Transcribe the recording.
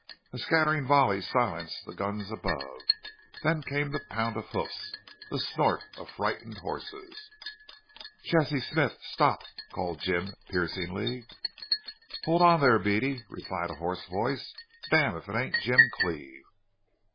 A scattering volley silenced the guns above. Then came the pound of hoofs, the snort of frightened horses. "Jesse Smith! Stop!" called Jim, piercingly. "Hold on thar, Beady!" replied a hoarse voice. "Damn if it ain't Jim Cleve!"